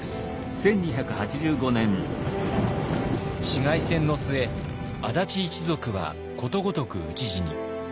市街戦の末安達一族はことごとく討ち死に。